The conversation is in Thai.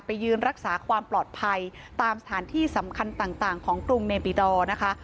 ยืนรักษาความปลอดภัยตามสถานที่สำคัญต่างของกรุงเนบิดอร์นะคะ